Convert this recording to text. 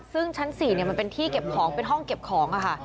ซึ่งชั้น๔มันเป็นที่เก็บของเป็นห้องเก็บของค่ะ